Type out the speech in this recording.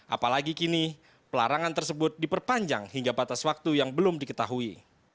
apalagi kini pelarangan tersebut diperpanjang hingga batas waktu yang belum diketahui